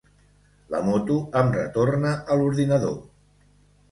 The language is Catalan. La moto em retorna a l'ordinador.